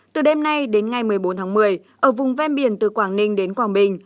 từ đêm nay đến ngày một mươi bốn tháng một mươi ở vùng ven biển từ quảng ninh đến quảng bình